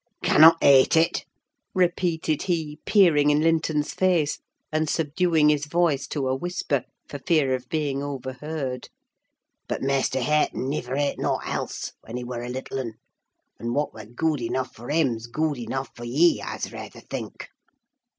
"Cannot ate it?" repeated he, peering in Linton's face, and subduing his voice to a whisper, for fear of being overheard. "But Maister Hareton nivir ate naught else, when he wer a little 'un; and what wer gooid eneugh for him's gooid eneugh for ye, I's rayther think!"